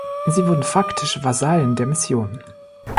Sie wurden faktisch Vasallen der Mission.